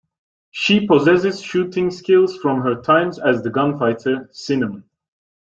She possesses shooting skills from her times as the gunfighter, Cinnamon.